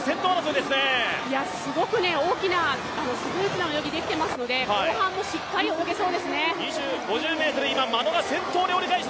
すごく大きなスムーズな泳ぎできてますので後半もしっかり泳げそうですね。